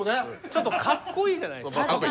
ちょっとかっこいいじゃないですか。